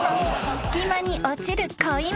［隙間に落ちる子犬］